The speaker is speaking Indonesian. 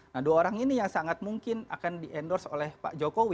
nah dua orang ini yang sangat mungkin akan di endorse oleh pak jokowi